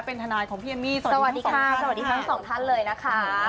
เป็นทนายของพี่เอมมี่สวัสดีค่ะสวัสดีทั้งสองท่านเลยนะคะ